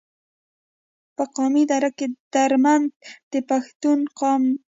پۀ قامي درد دردمند د پښتون قام